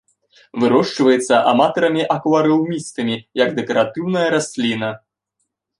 Вырошчваецца аматарамі-акварыумістамі, як дэкаратыўная расліна.